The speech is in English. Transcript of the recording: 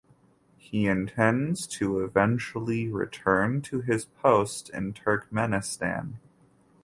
He intends to eventually return to his post in Turkmenistan.